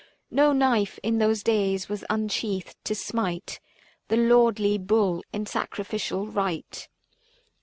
No knife in those days was unsheathed to smite The lordly bull in sacrificial rite.